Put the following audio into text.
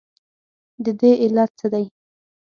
ددې علت څه دی؟